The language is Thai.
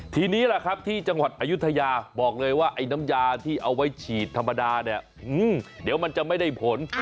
ทีนี้ที่จังหวัดอยุธยาบอกเลยว่าน้ำยาที่เอาไว้ฉีดธรรมดาเดี๋ยวมันจะไม่ได้ผล